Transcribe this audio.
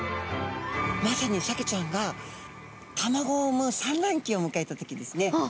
まさにサケちゃんが卵を産むさんらんきをむかえた時ですね。